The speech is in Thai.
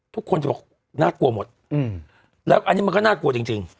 ทุกคนจะบอกน่ากลัวหมดแล้วอันนี้มันก็น่ากลัวจริง